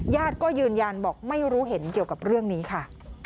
ญาติก็ยืนยันบอกไม่รู้เห็นเกี่ยวกับเรื่องนี้ค่ะ